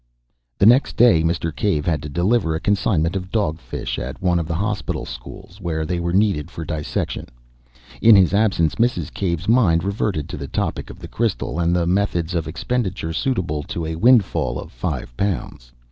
The next day Mr. Cave had to deliver a consignment of dog fish at one of the hospital schools, where they were needed for dissection. In his absence Mrs. Cave's mind reverted to the topic of the crystal, and the methods of expenditure suitable to a windfall of five pounds.